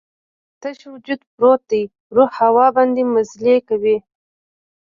تش وجود پروت دی، روح هوا باندې مزلې کوي